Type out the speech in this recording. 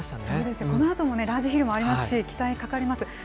そうですね、このあともラージヒルありますし、期待かかります。